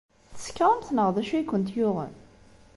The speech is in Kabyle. Tsekṛemt neɣ d acu ay kent-yuɣen?